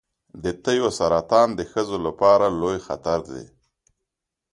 د تیو سرطان د ښځو لپاره لوی خطر دی.